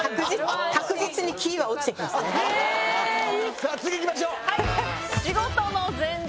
さぁ次いきましょう！